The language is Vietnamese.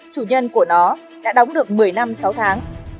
chủ nhân của nó đã đóng được một mươi năm sáu tháng